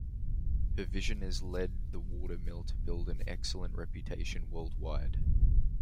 Her vision has led the Watermill to build an excellent reputation worldwide.